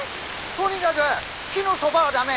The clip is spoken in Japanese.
とにかぐ木のそばは駄目。